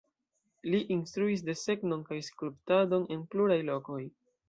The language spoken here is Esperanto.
Li instruis desegnon kaj skulptadon en pluraj lokoj.